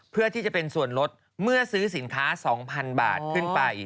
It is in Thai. เพื่อที่จะเป็นส่วนลดเมื่อซื้อสินค้า๒๐๐๐บาทขึ้นไป